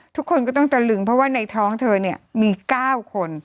ทุกคนก็ต้องตะลึงเพราะว่าในท้องเธอเนี่ยมี๙คน